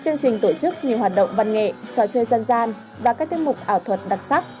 chương trình tổ chức nhiều hoạt động văn nghệ trò chơi dân gian và các tiết mục ảo thuật đặc sắc